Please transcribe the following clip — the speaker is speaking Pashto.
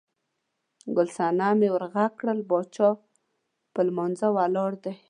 ګل صنمې ور غږ کړل، باچا په لمانځه ولاړ دی.